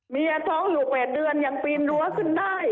เมียท้องอยู่๘เดือนยังปีนรั้วขึ้นได้